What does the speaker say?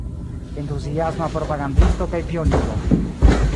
Entuziasma propagandisto kaj pioniro.